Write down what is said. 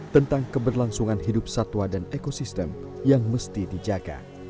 tentang keberlangsungan hidup satwa dan ekosistem yang mesti dijaga